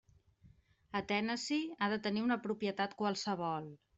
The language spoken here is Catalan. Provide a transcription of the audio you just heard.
A Tennessee, ha de tenir una propietat qualsevol.